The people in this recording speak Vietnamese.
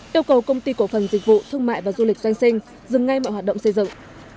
yêu cầu công ty cổ phần dịch vụ thương mại và du lịch doanh sinh dừng ngay mọi hoạt động xây dựng